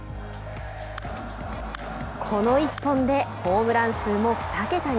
この１本でホームラン数も２桁に。